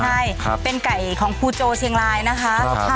ใช่เป็นไก่ของครูโจเชียงรายนะคะ